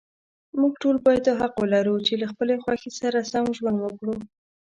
موږ ټول باید دا حق ولرو، چې له خپلې خوښې سره سم ژوند وکړو.